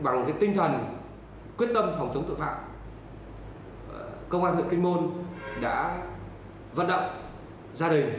bằng cái tinh thần quyết tâm phòng chống tội phạm công an huyện kinh môn đã vận động gia đình